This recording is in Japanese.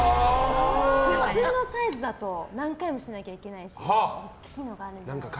普通のサイズだと何回もしなきゃいけないし大きいのがあるんじゃないか。